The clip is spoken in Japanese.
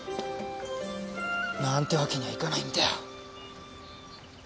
なーんてわけにはいかないんだよ。